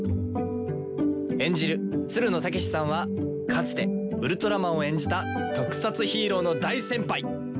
演じるつるの剛士さんはかつてウルトラマンを演じた特撮ヒーローの大先輩！